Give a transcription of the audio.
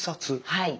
はい。